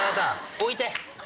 置いて！